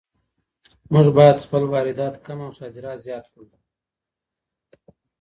مونږ بايد خپل واردات کم او صادرات زيات کړو.